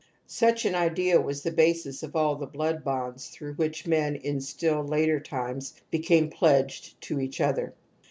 '*S§uch an idea was the basis of all the wod ftondf^tjiroiiflfi which men in still later times became ,plediged. .to each other.